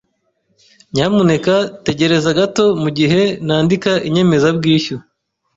Nyamuneka tegereza gato mugihe nandika inyemezabwishyu.